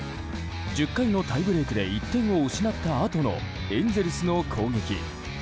１０回のタイブレークで１点を失ったあとのエンゼルスの攻撃。